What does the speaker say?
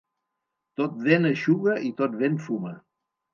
Tot vent eixuga i tot vent fuma.